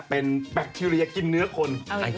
เป็นแบคทีเรียกินเนื้อคน